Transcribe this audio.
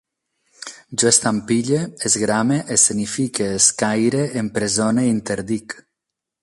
Jo estampille, esgrame, escenifique, escaire, empresone, interdic